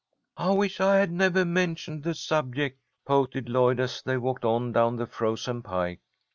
'" "I wish I had never mentioned the subject," pouted Lloyd, as they walked on down the frozen pike.